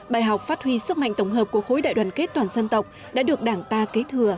bài học phát huy sức mạnh tổng hợp của khối đại đoàn kết toàn dân tộc đã được đảng ta kế thừa